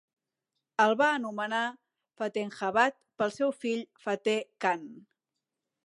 El va anomenar Fatehabad pel seu fill Fateh Khan.